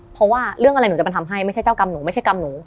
เพราะว่าเรื่องอะไรหนูจะมาทำให้ไม่ใช่เจ้ากรรมหนูไม่ใช่กรรมหนู